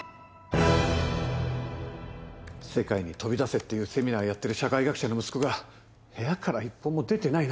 「世界に飛び出せ」っていうセミナーやってる社会学者の息子が部屋から一歩も出てないなんて